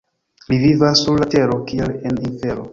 Li vivas sur la tero kiel en infero.